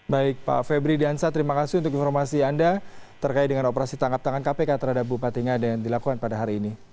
baik pak febri diansa terima kasih untuk informasi anda terkait dengan operasi tangkap tangan kpk terhadap bupati ngade yang dilakukan pada hari ini